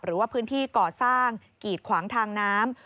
หรือว่าพื้นที่ก่อสร้างกีดขวางทางน้ำ